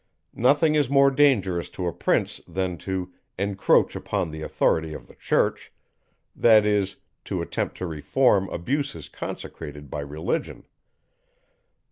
Nothing is more dangerous to a prince, than to encroach upon the authority of the Church, that is, to attempt to reform abuses consecrated by religion.